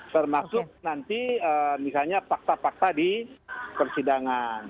termasuk nanti misalnya fakta fakta di persidangan